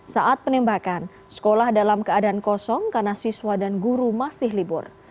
saat penembakan sekolah dalam keadaan kosong karena siswa dan guru masih libur